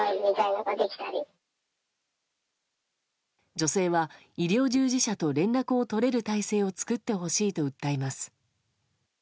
女性は医療従事者と連絡を取れる体制を作ってほしいと訴えます。